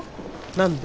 何で？